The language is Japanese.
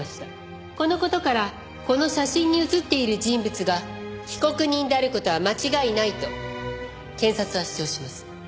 この事からこの写真に写っている人物が被告人である事は間違いないと検察は主張します。